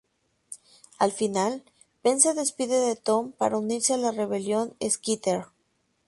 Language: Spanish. Al final, Ben se despide de Tom para unirse a la rebelión "Skitter".